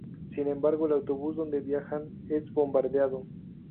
Sin embargo, el autobús donde viajan es bombardeado.